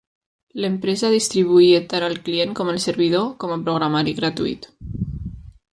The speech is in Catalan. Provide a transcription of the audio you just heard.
L'empresa distribuïa tant el client com el servidor com a programari gratuït.